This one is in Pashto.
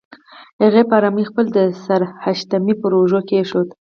هغې په آرامۍ خپل سر د حشمتي پر اوږه کېښوده.